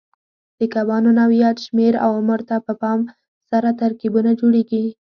د کبانو نوعیت، شمېر او عمر ته په پام سره ترکیبونه جوړېږي.